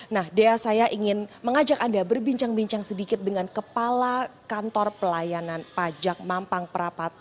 nah dea saya ingin mengajak anda berbincang sedikit dengan kepala kantor pelayanan pajak mampang pratama jakarta mampang jakarta selatan